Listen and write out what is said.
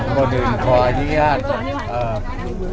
คนอื่นขออาญญาติ